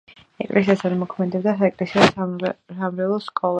ეკლესიასთან მოქმედებდა საეკლესიო-სამრევლო სკოლა.